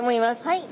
はい。